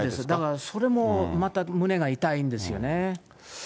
だから、それもまた胸が痛いんですよね。